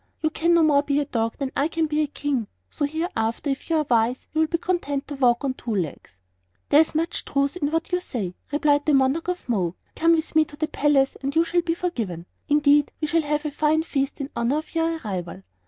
You can no more be a dog than I can be a king; so hereafter, if you are wise, you will be content to walk on two legs." "There is much truth in what you say," replied the Monarch of Mo. "Come with me to the palace, and you shall be forgiven; indeed, we shall have a fine feast in honor of your arrival."